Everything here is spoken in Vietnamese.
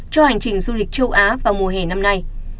cho hành trình du lịch châu á vào mùa hè năm nay